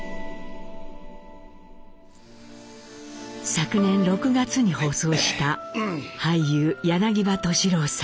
昨年６月に放送した俳優柳葉敏郎さん。